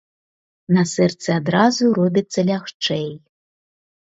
На сэрцы адразу робіцца лягчэй.